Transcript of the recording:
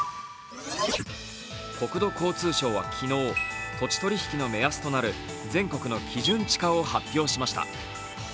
国土交通省は昨日、土地取引の目安となる全国の基準地価を発表しました。